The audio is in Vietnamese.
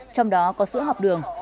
trong đó có sữa học đường